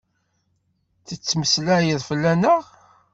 Tettmeslayeḍ fell-aneɣ?